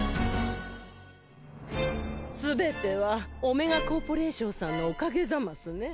すべてはオメガコーポレーションさんのおかげざますね。